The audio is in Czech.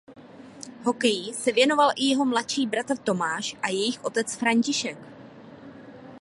Hokeji se věnoval i jeho mladší bratr Tomáš a jejich otec František.